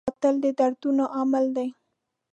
قاتل د دردونو عامل دی